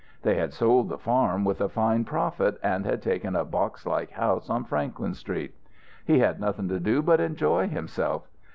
They had sold the farm with a fine profit and had taken a boxlike house on Franklin Street. He had nothing to do but enjoy himself.